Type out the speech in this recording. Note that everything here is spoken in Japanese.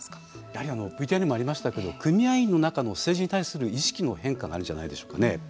やはりＶＴＲにもありましたけれども組合員の中の政治に対する意識の変化があるんじゃないでしょうかね。